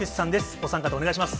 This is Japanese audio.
お三方、お願いします。